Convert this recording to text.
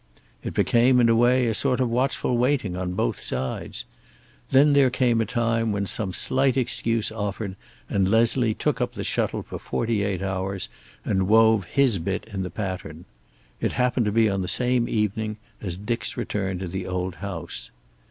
It became, in a way, a sort of watchful waiting on both sides. Then there came a time when some slight excuse offered, and Leslie took up the shuttle for forty eight hours, and wove his bit in the pattern. It happened to be on the same evening as Dick's return to the old house.